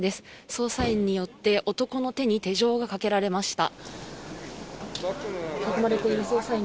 捜査員によって、男の手に手錠がかけられました。